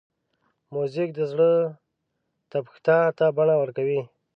موزیک د زړه تپښتا ته بڼه ورکوي.